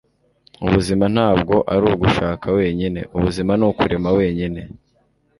Ubuzima ntabwo ari ugushaka wenyine. Ubuzima ni ukurema wenyine. ”